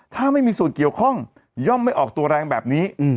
ถ้าไม่มีส่วนเกี่ยวข้องย่อมไม่ออกตัวแรงแบบนี้